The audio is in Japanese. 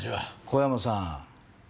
小山さん。